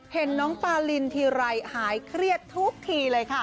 เห็นน้องปาลินทีไรหายเครียดทุกทีเลยค่ะ